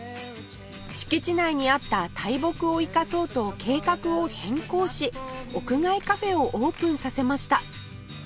敷地内にあった大木を生かそうと計画を変更し屋外カフェをオープンさせました